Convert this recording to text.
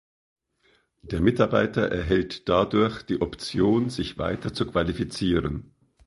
Der Mitarbeiter erhält dadurch die Option, sich weiter zu qualifizieren.